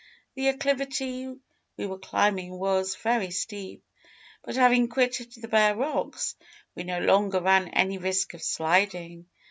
The acclivity we were climbing was very steep, but having quitted the bare rocks, we no longer ran any risk of sliding.